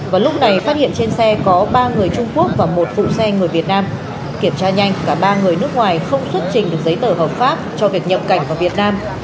và lúc này phát hiện trên xe có ba người trung quốc và một phụ xe người việt nam kiểm tra nhanh cả ba người nước ngoài không xuất trình được giấy tờ hợp pháp cho việc nhập cảnh vào việt nam